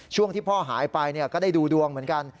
ช่วงที่พ่อหายไปก็ได้ดูดวงเหมือนกัน